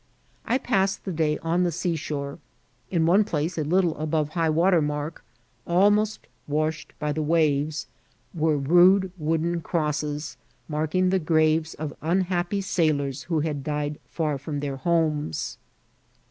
I passed the day on the seashore* In one place, a little above high water mark, almost washed by the waves, were rude wooden crosses, mark* ing the graves of unhappy sailors who had died far from their homes.